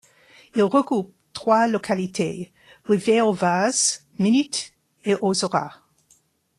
Il regroupe trois localités, River aux Vases, Minnith et Ozora.